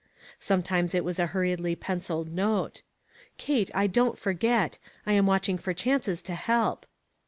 Sometimes it was a hurriedly penciled note — "Kate, I don't forget. I am watching for chances to help."